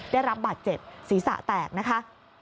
ได้รับบาดเจ็บศีรษะแตกนะคะ